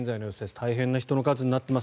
大変な人の数になっています。